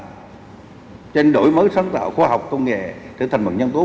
cho nên đổi mới sáng tạo khoa học công nghệ trở thành mặt nhân tố